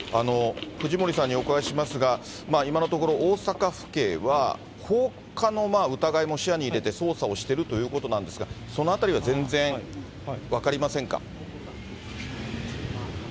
藤森さんにお伺いしますが、今のところ大阪府警は、放火の疑いも視野に入れて捜査をしているということなんですが、そのあたりは全然分かりませんか。